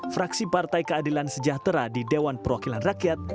fraksi partai keadilan sejahtera di dewan perwakilan rakyat